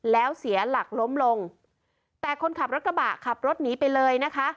แล้วเสียหลักล้มลงแต่คนขับรถกระบะขับรถหนีไปเลยนะคะ